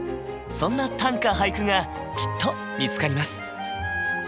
そんな短歌・俳句がきっと見つかります。